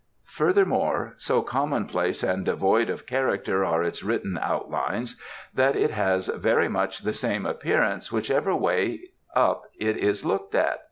"Furthermore, so commonplace and devoid of character are its written outlines that it has very much the same appearance whichever way up it is looked at.